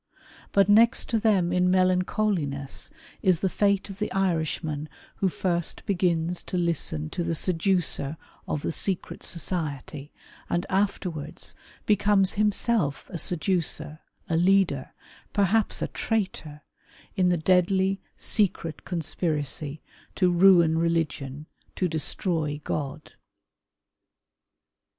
But next to them in melancholiness is the fate of the Irishman who first begins to listen to the seducer of the secret society, and afterwards becomes himself a seducer, a leader, perhaps a traitor, in the deadly, secret conspiracy to ruin religion, to destroy God.